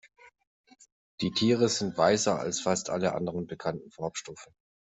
Die Tiere sind weißer als fast alle anderen bekannten Farbstoffe.